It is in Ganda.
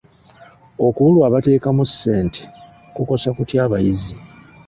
Okubulwa abateekamu ssente kukosa kutya abayizi?